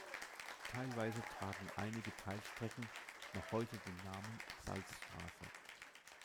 Teilweise tragen einige Teilstrecken noch heute den Namen „Salzstraße“.